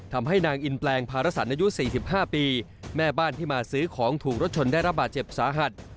ทำให้นางอินแปลงภารสันอายุ๔๕ปีแม่บ้านที่มาซื้อของถูกรถชนได้รับบาดเจ็บสาหัส